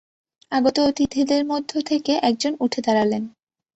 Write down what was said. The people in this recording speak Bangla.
আগত অতিথিদের মধ্যে থেকে একজন উঠে দাঁড়ালেন।